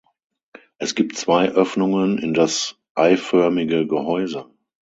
Es gibt zwei Öffnungen in das eiförmige Gehäuse.